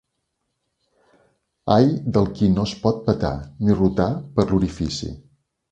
Ai del qui no es pot petar, ni rotar per l'orifici!